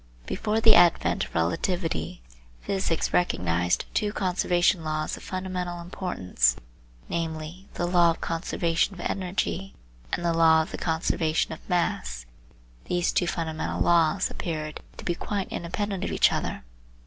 Before the advent of relativity, physics recognised two conservation laws of fundamental importance, namely, the law of the canservation of energy and the law of the conservation of mass these two fundamental laws appeared to be quite independent of each other.